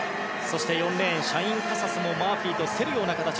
４レーンのシャイン・カサスもマーフィーと競るような形。